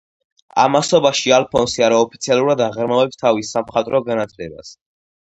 ამასობაში ალფონსი არაოფიციალურად აღრმავებს თავის სამხატვრო განათლებას.